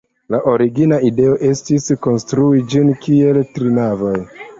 La origina ideo estis konstrui ĝin kiel tri navoj.